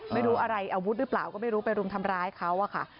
ไม่รู้อะไรอาวุธหรือเปล่าก็ไม่รู้ไปรุมทำร้ายเขาอะค่ะ